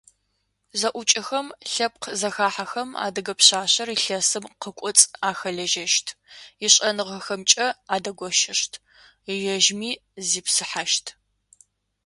Зэӏукӏэхэм, лъэпкъ зэхахьэхэм адыгэ пшъашъэр илъэсым къыкӏоцӏ ахэлэжьэщт, ишӏэныгъэхэмкӏэ адэгощэщт, ежьми зипсыхьащт.